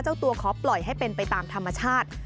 เจ้าตัวขอปล่อยให้เป็นไปตามธรรมชาติ